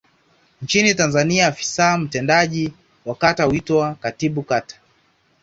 Nchini Tanzania afisa mtendaji wa kata huitwa Katibu Kata.